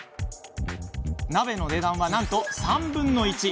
鍋の値段は、なんと３分の１。